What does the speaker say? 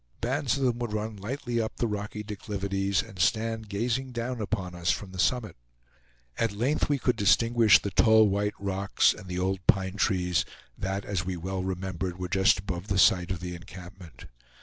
Bands of them would run lightly up the rocky declivities, and stand gazing down upon us from the summit. At length we could distinguish the tall white rocks and the old pine trees that, as we well remembered, were just above the site of the encampment.